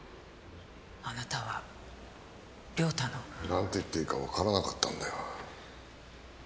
あなたは良太の。なんて言っていいかわからなかったんだよ。